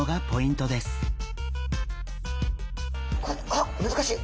あっ難しい。